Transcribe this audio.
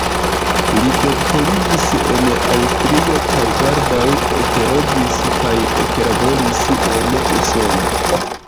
Li doktoriĝis en Aŭstrio kaj baldaŭ ekloĝis kaj eklaboris en Usono.